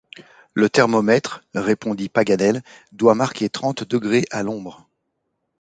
Le thermomètre, répondit Paganel, doit marquer trente degrés à l’ombre.